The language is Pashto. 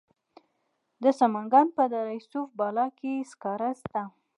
د سمنګان په دره صوف بالا کې سکاره شته.